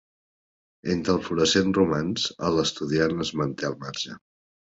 Entre el florescent romanç, un estudiant es manté al marge.